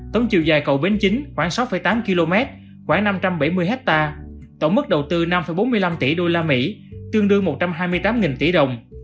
tống chiều dài cầu bến chính khoảng sáu tám km khoảng năm trăm bảy mươi hectare tổng mức đầu tư năm bốn mươi năm tỷ usd tương đương một trăm hai mươi tám tỷ đồng